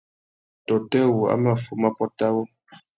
Tôtê wu a mà fuma pôt awô ?